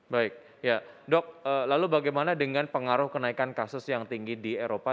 baik ya dok lalu bagaimana dengan pengaruh kenaikan kasus yang tinggi di eropa